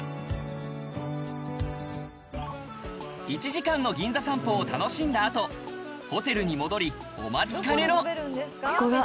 １時間の銀座散歩を楽しんだ後ホテルに戻りお待ちかねのここが。